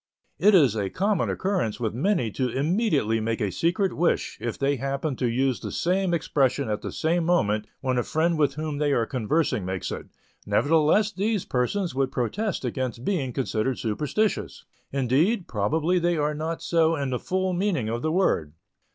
It is a common occurrence with many to immediately make a secret "wish" if they happen to use the same expression at the same moment when a friend with whom they are conversing makes it; nevertheless these persons would protest against being considered superstitious, indeed, probably they are not so in the full meaning of the word.